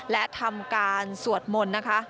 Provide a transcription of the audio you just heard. และทำการสวดมนต์